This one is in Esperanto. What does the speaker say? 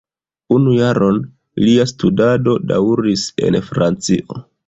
Unu jaron lia studado daŭris en Francio.